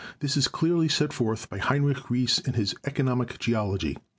This is clearly set forth by Heinrich Ries in his 'Economic Geology.'